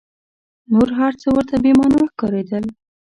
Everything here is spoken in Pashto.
نور هر څه ورته بې مانا ښکارېدل.